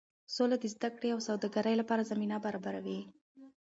سوله د زده کړې او سوداګرۍ لپاره زمینه برابروي.